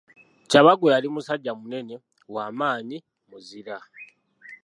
Kyabaggu yali musajja munene, wa maanyi muzira.